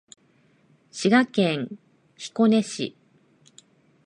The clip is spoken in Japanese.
滋賀県彦根市